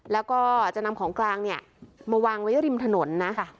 แล้วก็จะนำของกลางเนี่ยมาวางไว้ริมถนนนะคะ